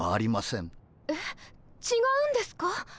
違うんですか？